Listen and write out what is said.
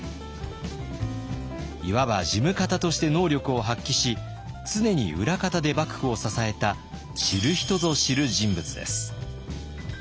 いわば事務方として能力を発揮し常に裏方で幕府を支えた知る人ぞ知る人物です。